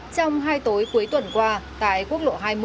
trong hai tối cuối tuần qua tại quốc lộ hai mươi